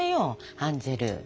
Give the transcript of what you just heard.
ハンゼル。